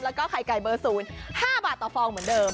แล้วก็ไข่ไก่เบอร์๐๕บาทต่อฟองเหมือนเดิม